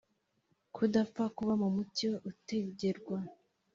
kudapfa k uba mu mucyo utegerwa